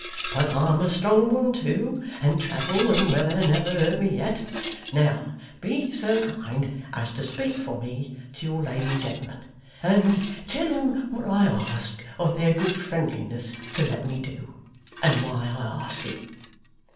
But I'm a strong one too, and travel and weather never hurt me yet! Now, be so kind as speak for me to your lady and gentleman, and tell 'em what I ask of their good friendliness to let me do, and why I ask it.